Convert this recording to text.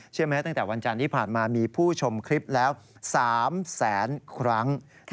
แม้ตั้งแต่วันจันทร์ที่ผ่านมามีผู้ชมคลิปแล้ว๓แสนครั้ง